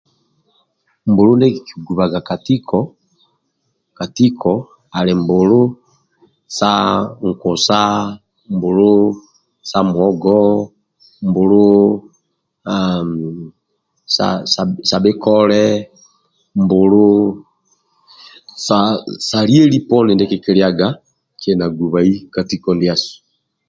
Mbulu ndie kikigubaga ka tiko ka tiko ali mbulu sa nkusa aa mbulu sa muhogo mbulu ammm sa sa bhikole mbulu sa sa lieli poni ndie kikilyaga kili na gubai ka tiko ndiasu